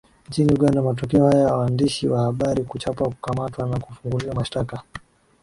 Nchini Uganda matokeo ya waandishi wa Habari kuchapwa kukamatwa na kufunguliwa mashtaka